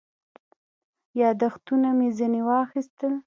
یاداښتونه مې ځنې واخیستل.